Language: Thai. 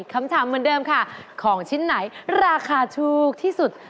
คำถามเหมือนเดิมค่ะของชิ้นไหนราคาถูกที่สุด